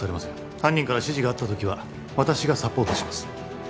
犯人から指示があった時は私がサポートします